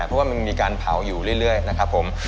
เพราะว่ามันมีการเผาอยู่เรื่อยนะครับผม